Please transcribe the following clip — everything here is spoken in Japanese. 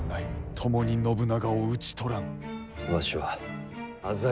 共に信長を討ち取らん」。